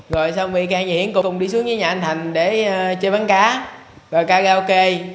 rồi xong vy cang và hiển cùng đi xuống với nhà anh thành để chơi bắn cá và cà gao kê